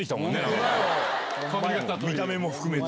見た目も含めて。